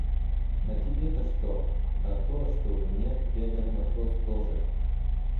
– А тебе-то что? – А то, что у меня дядя матрос тоже.